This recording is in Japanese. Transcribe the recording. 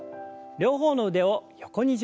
両方の腕を横に準備します。